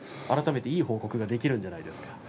改めて、いい報告ができるんじゃないですか。